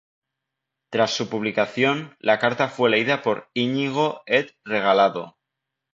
Tras su publicación, la carta fue leída por Iñigo Ed Regalado.